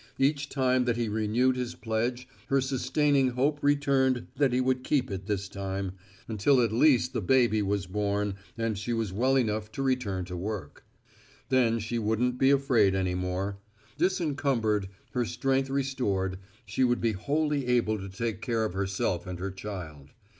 Each time that he renewed his pledge her sustaining hope returned that he would keep it this time, until at least the baby was born and she was well enough to return to work. Then she wouldn't be afraid any more. Disencumbered, her strength restored, she would be wholly able to take care of herself and her child.